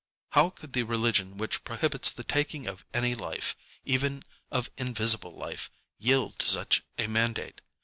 How could the religion which prohibits the taking of any lifeŌĆöeven of invisible lifeŌĆöyield to such a mandate?